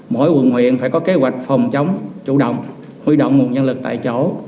mỗi quận huyện phải có kế hoạch phòng chống chủ động huy động nguồn nhân lực tại chỗ